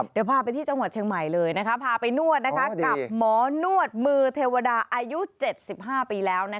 เดี๋ยวพาไปที่จังหวัดเชียงใหม่เลยพาไปนวดกับหมอนวดมือเทวดาอายุ๗๕ปีแล้ว